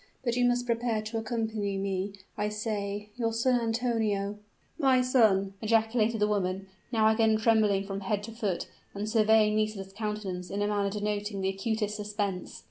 But you must prepare to accompany me, I say; your son Antonio " "My son!" ejaculated the woman, now again trembling from head to foot, and surveying Nisida's countenance in a manner denoting the acutest suspense.